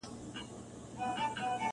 د جهاني له هري اوښکي دي را اوري تصویر -